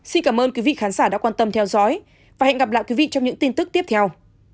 xin cảm ơn quý vị khán giả đã quan tâm theo dõi và hẹn gặp lại quý vị trong những tin tức tiếp theo